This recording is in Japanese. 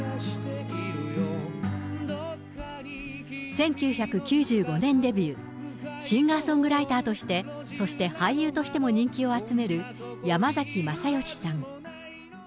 １９９５年デビュー、シンガーソングライターとして、そして俳優としても人気を集める山崎まさよしさん。